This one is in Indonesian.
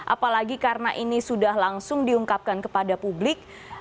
apalagi karena ini sudah langsung diungkapkan kepada publik